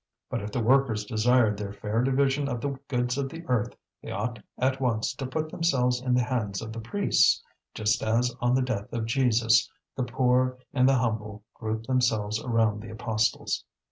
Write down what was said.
But if the workers desired the fair division of the goods of the earth, they ought at once to put themselves in the hands of the priests, just as on the death of Jesus the poor and the humble grouped themselves around the apostles.